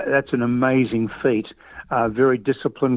kru yang sangat disiplin